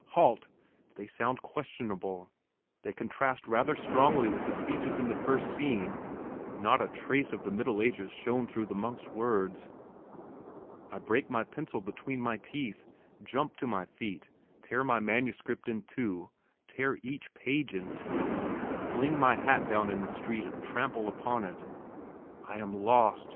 Halt! they sound questionable; they contrast rather strongly with the speeches in the first scenes; not a trace of the Middle Ages shone through the monk's words. I break my pencil between my teeth, jump to my feet, tear my manuscript in two, tear each page in two, fling my hat down in the street and trample upon it. I am lost!